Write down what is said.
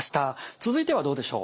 続いてはどうでしょう？